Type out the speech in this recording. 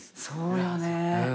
そうよね。